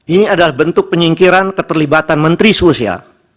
ini adalah bentuk penyingkiran keterlibatan menteri sosial